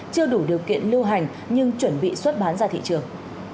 chưa đủ điều kiện lưu hành nhưng chuẩn bị xuất bán ra thị trường